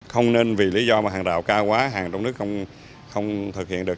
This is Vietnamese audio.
không nên vì lý do mà hàng rào cao quá hàng trong nước không thực hiện được